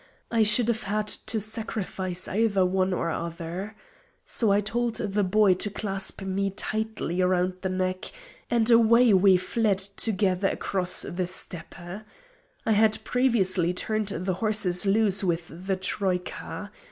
I should have had to sacrifice either one or other. So I told the boy to clasp me tightly round the neck, and away we fled together across the steppe. I had previously turned the horses loose with the troïka.